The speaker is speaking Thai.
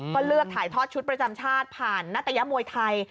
ก็เลือกถ่ายทอดชุดประจำชาติผ่านนัตยมวยไทย